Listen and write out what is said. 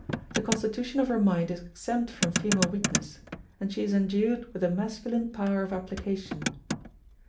The constitution of her mind is exempt from female weakness, and she is endued with a masculine power of application.